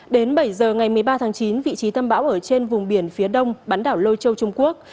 đến bảy giờ ngày một mươi ba tháng chín vị trí tâm bão ở trên vùng biển phía đông bán đảo lôi châu trung quốc